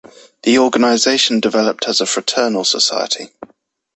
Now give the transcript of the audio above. The organization developed as a fraternal society.